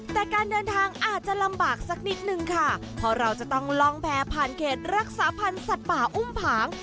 แต่การเดินทางอาจจะลำบากสักนิดนึงค่ะเพราะเราจะต้องล่องแพ้ผ่านเขตรักษาพันธ์สัตว์ป่าอุ้มผาง